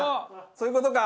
そういう事か。